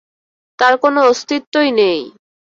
তার কোনো অস্তিত্বই নেই!